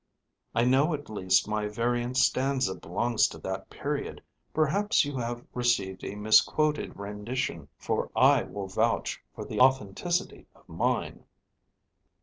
I know at least my variant stanza belongs to that period. Perhaps you have received a misquoted rendition; for I will vouch for the authenticity of mine."